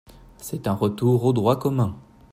C’est un retour au droit commun.